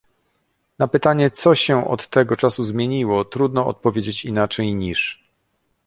Na pytanie, co się od tego czasu zmieniło, trudno odpowiedzieć inaczej niż